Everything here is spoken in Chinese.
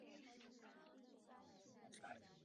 朱觉凤是一名中国女子手球运动员。